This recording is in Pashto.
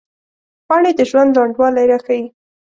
پاڼې د ژوند لنډوالي راښيي